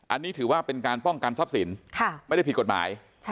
อันนี้ถือว่าเป็นการป้องกันทรัพย์สินไม่ได้ผิดกฎหมาย